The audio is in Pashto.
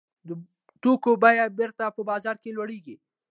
د توکو بیه بېرته په بازار کې لوړېږي